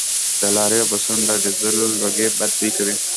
د لاریو او بسونو د ډیزلو لوګي بد بوی کوي